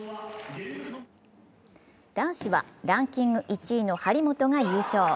男子はランキング１位の張本が優勝。